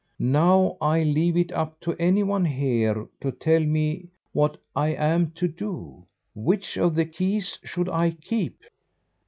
Now, I'll leave it to any one here to tell me what I am to do. Which of the keys should I keep?"